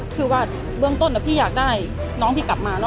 คือว่าเบื้องต้นพี่อยากได้น้องพี่กลับมา